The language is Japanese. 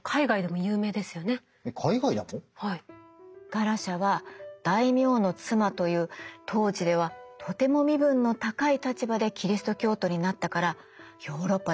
ガラシャは大名の妻という当時ではとても身分の高い立場でキリスト教徒になったからヨーロッパで話題になってたの。